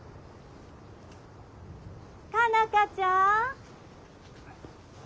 佳奈花ちゃん？